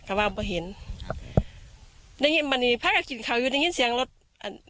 ก็ว่าไม่เห็นนี้มันนี่พักกะกิ่งเขาอยู่นี้ซึ่งออกรถอ่าน